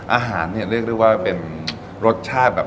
อาหารเนี่ยเรียกได้ว่าเป็นรสชาติแบบ